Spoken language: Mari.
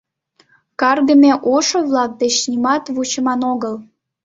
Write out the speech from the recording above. — Каргыме ошо-влак деч нимат вучыман огыл!..